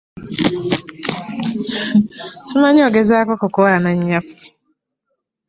Simanyi ogezaako okukwana naffe?